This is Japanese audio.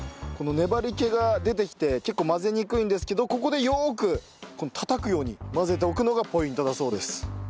粘り気が出てきて結構混ぜにくいんですけどここでよーくたたくように混ぜておくのがポイントだそうです。